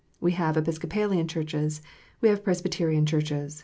We have Episcopalian Churches. We have Presbyterian Churches.